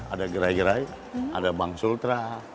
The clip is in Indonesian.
ada gerai gerai ada bank sultra